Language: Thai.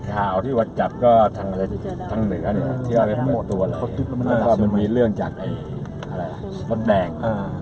ข่าวที่วัดจับก็ทางเหนือที่วัดตัวอะไรมันมีเรื่องจากไอ้วัดแดง